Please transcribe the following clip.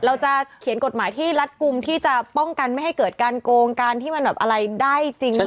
เราจะเขียนกฎหมายที่รัดกลุ่มที่จะป้องกันไม่ให้เกิดการโกงการที่มันแบบอะไรได้จริงหรือเปล่า